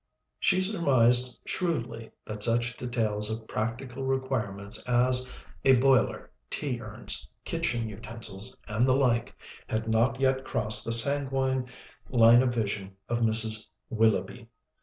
She surmised shrewdly that such details of practical requirements as a boiler, tea urns, kitchen utensils, and the like, had not yet crossed the sanguine line of vision of Mrs. Willoughby.